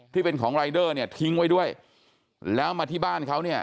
ที่เป็นของรายเดอร์เนี่ยทิ้งไว้ด้วยแล้วมาที่บ้านเขาเนี่ย